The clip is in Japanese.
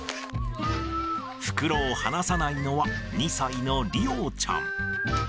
袋を離さないのは、２歳の莉央ちゃん。